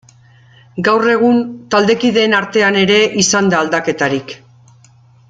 Gaur egun, taldekideen artean ere izan da aldaketarik.